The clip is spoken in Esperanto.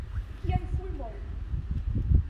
Kiaj fulmoj!